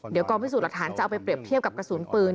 เดี๋ยวกองพิสูจน์หลักฐานจะเอาไปเปรียบเทียบกับกระสุนปืน